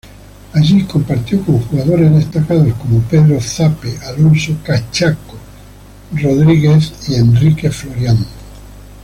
Allí compartió con jugadores destacados como Pedro Zape, Alonso "Cachaco" Rodríguez y Enrique Florian.